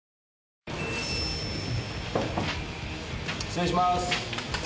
失礼します。